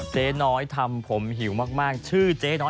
เจ๊น้อยทำผมหิวมากชื่อเจ๊น้อย